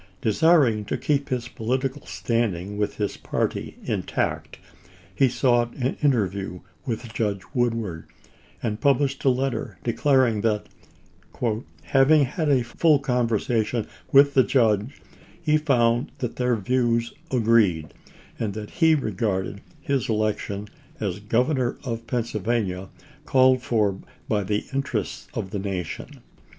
Desiring to keep his political standing with his party intact, he sought an interview with Judge Woodward, and published a letter declaring that, " having had a full conversation with the judge, he found that their views agreed, and that he regarded his election as Governor of Pennsylvania called for by the interests of the nation."